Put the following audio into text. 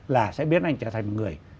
là sẽ biết anh trở thành một người